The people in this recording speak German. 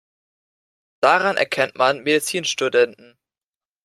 Daran erkennt man Medizinstudenten.